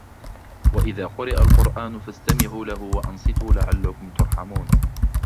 وَإِذَا قُرِئَ الْقُرْآنُ فَاسْتَمِعُوا لَهُ وَأَنْصِتُوا لَعَلَّكُمْ تُرْحَمُونَ